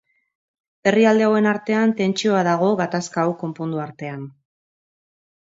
Herrialde hauen artean tentsioa dago gatazka hau konpondu artean.